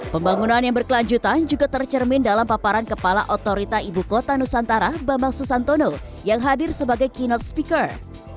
pembangunan yang berkelanjutan juga tercermin dalam paparan kepala otorita ibu kota nusantara bambang susantono yang hadir sebagai keynote speaker